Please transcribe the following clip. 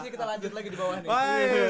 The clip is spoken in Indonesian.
kayaknya mesti kita lanjut lagi di bawah nih